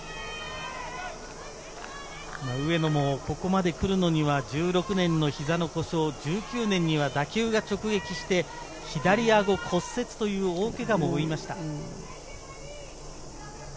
上野もここまで来るのには１６年の膝の故障、１９年には打球が直撃して左顎骨折という大け